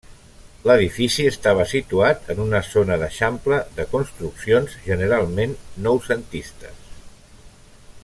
L'edifici estava situat en una zona d'eixample, de construccions generalment noucentistes.